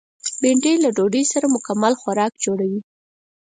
بېنډۍ له ډوډۍ سره مکمل خوراک جوړوي